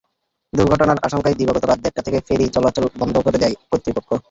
দুর্ঘটনার আশঙ্কায় দিবাগত রাত দেড়টা থেকে ফেরি চলাচল বন্ধ করে দেয় কর্তৃপক্ষ।